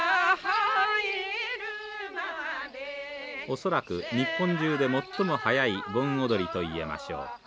恐らく日本中で最も早い盆踊りと言えましょう。